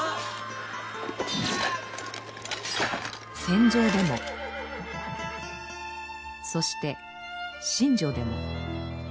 戦場でもそして寝所でも。